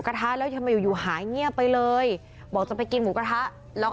กระทะแล้วทำไมอยู่อยู่หายเงียบไปเลยบอกจะไปกินหมูกระทะแล้วก็